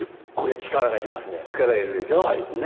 力要るでしょ。ね。